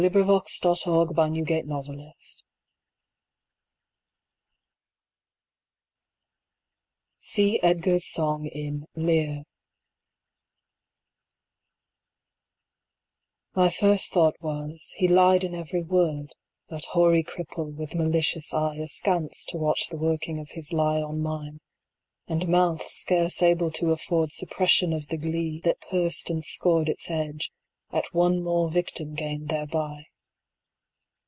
"CHILDE ROLAND TO THE DARK TOWER CAME" (See Edgar's song in Lear) My first thought was, he lied in every word, That hoary cripple, with malicious eye Askance to watch the working of his lie On mine, and mouth scarce able to afford Suppression of the glee, that pursed and scored 5 Its edge, at one more victim gained thereby.